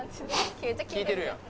聞いてるやん。